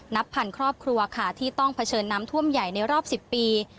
นับพันครอบครัวค่ะที่ต้องเผชิญน้ำท่วมใหญ่ในรอบ๑๐ปี